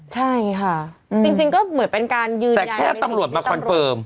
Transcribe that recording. ใช่ค่ะจริงก็เหมือนเป็นการยืนแต่แค่ตำรวจมาคอนเฟิร์ม